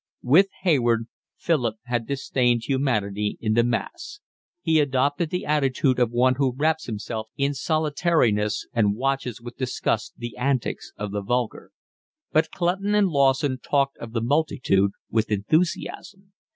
With Hayward, Philip had disdained humanity in the mass; he adopted the attitude of one who wraps himself in solitariness and watches with disgust the antics of the vulgar; but Clutton and Lawson talked of the multitude with enthusiasm.